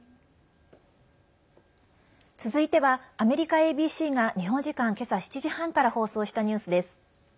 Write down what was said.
続いてはアメリカＡＢＣが日本時間、今朝７時半から放送したニュースです。